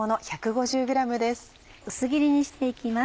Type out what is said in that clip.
薄切りにして行きます。